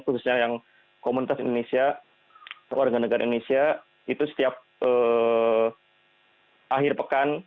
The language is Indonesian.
khususnya yang komunitas indonesia warga negara indonesia itu setiap akhir pekan